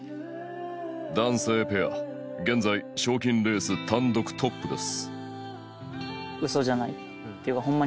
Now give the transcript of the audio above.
男性ペア現在賞金レース単独トップです